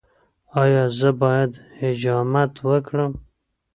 ایا زه باید حجامت وکړم؟